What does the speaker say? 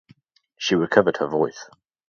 She recovered her voice.